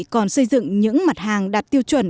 còn xây dựng những mặt hàng đạt tiêu chuẩn